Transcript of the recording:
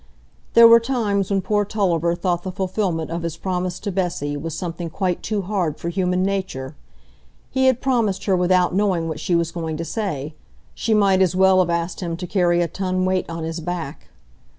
There were times when poor Tulliver thought the fulfilment of his promise to Bessy was something quite too hard for human nature; he had promised her without knowing what she was going to say,—she might as well have asked him to carry a ton weight on his back.